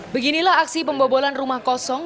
beginilah aksi pembobolan rumah kosong